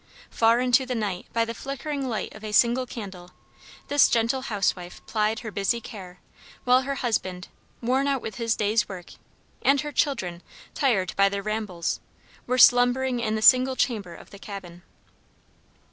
Far into the night, by the flickering light of a single candle, this gentle housewife plied "her busy care," while her husband, worn out with his day's work, and her children, tired by their rambles, were slumbering in the single chamber of the cabin.